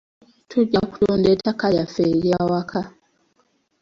Tujja kutunda ettaka lyaffe ery'awaka.